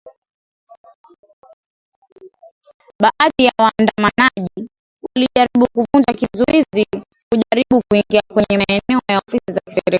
baadhi ya waandamanaji walijaribu kuvunja kizuizi kujaribu kuingia kwenye maeneo ya ofisi za serikali